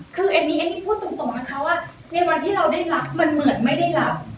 คือเอมมี่พูดตรงนะคะว่าในวันที่เราได้รับมันเหมือนไม่ได้รับ